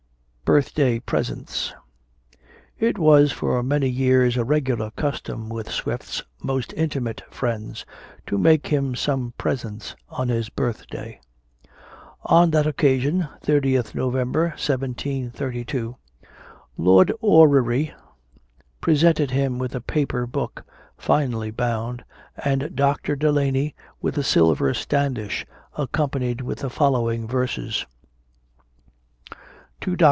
BIRTH DAY PRESENTS. It was for many years a regular custom with Swift's most intimate friends to make him some presents on his birth day. On that occasion, 30th November, 1732, Lord Orrery presented him with a paper book, finely bound, and Dr Delany with a silver standish, accompanied with the following verses; TO DR.